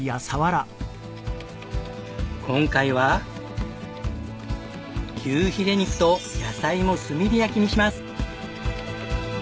今回は牛ヒレ肉と野菜も炭火焼きにします。